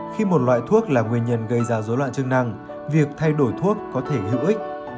khi một loại thuốc là nguyên nhân gây ra dối loạn chức năng việc thay đổi thuốc có thể hữu ích